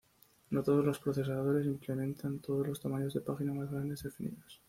No todos los procesadores implementan todos los tamaños de página más grandes definidos.